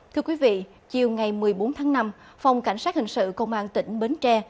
thưa quý vị chiều ngày một mươi bốn tháng năm phòng cảnh sát hình sự công an tỉnh bến tre